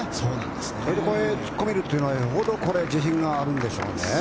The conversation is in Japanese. そこで突っ込めるというのはよほど自信があるんでしょうね。